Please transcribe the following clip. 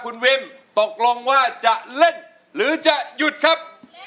คุณวิมตกลงว่าจะเล่นหรือจะหยุดครับ